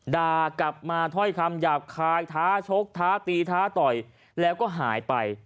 ด่ากลับมาถ้อยคำหยาบคายท้าชกท้าตีท้าต่อยแล้วก็หายไป